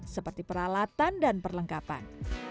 seperti peralatan dan perlengkapan